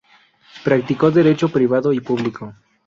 Practicó Derecho Privado y Público.